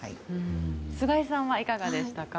菅井さんはいかがでしたか？